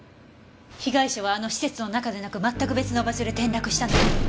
被害者はあの施設の中でなく全く別の場所で転落したのよ。